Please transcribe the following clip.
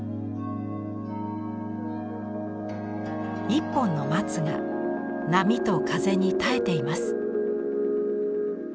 一本の松が波と風に耐えています。